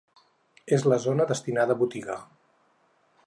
És la zona destinada a botiga.